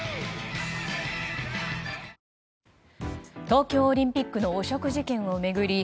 東京オリンピックの汚職事件を巡り